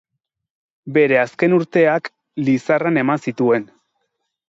Bere azken urteak Lizarran eman zituen.